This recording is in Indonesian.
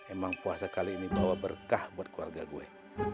emang puasa kali ini bawa berkah buat keluarga gue